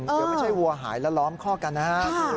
เดี๋ยวไม่ใช่วัวหายแล้วล้อมคอกกันนะครับ